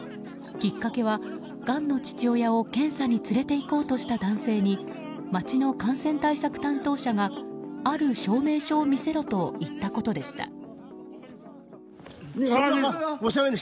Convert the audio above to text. きっかけは、がんの父親を検査に連れていこうとした男性に街の感染対策担当者がある証明書を見せろと言ったことでした。